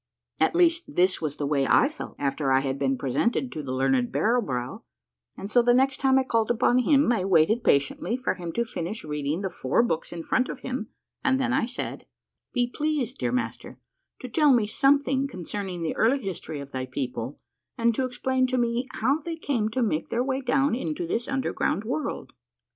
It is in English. At least, this was the way I felt after I had been presented to the learned Barrel Brow, and so the next time I called upon him I waited patiently for him to finish reading the four books in front of him, and then I said, —" Be pleased, dear Master, to tell me something concerning the early history of thy people, and to explain to me how they came to make their way down into this underground world."